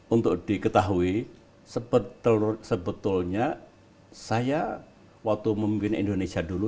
untuk diketahui sebetulnya saya waktu memimpin indonesia dulu